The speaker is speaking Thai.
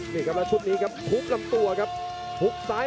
โปรดติดตามต่อไป